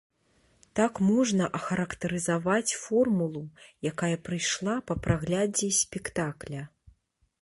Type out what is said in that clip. Так можна ахарактарызаваць формулу, якая прыйшла па праглядзе спектакля.